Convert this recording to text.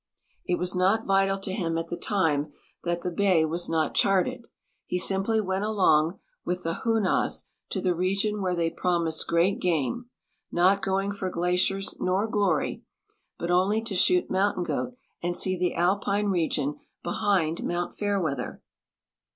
It was not vital.to him at the time that the bay was not charted ; he simpl}' went along with the Hoonahs to the region where they promised great game — not going for glaciers nor glory, but only to shoot mountain goat and see the alpine region behind mount Fairweather.